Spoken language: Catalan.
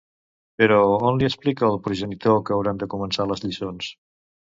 Per on li explica el progenitor que hauran de començar les lliçons?